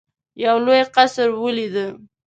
یو لوی قصر ولیدی.